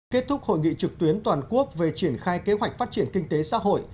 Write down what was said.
kết thúc hội nghị trực tuyến toàn quốc về triển khai kế hoạch phát triển kinh tế xã hội